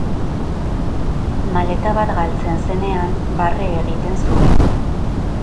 Maleta bat galtzen zenean, barre egiten zuen.